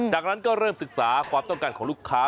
จากนั้นก็เริ่มศึกษาความต้องการของลูกค้า